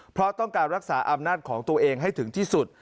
เพราะต้องการรักษาอำนาจของตัวเองให้ถึงที่สุด